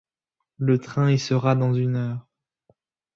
Le train y sera dans une heure.